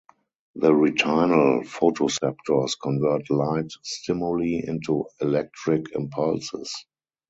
The retinal photoceptors convert light stimuli into electric impulses.